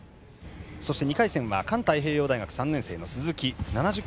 そして２回戦は環太平洋大学３年生の鈴木。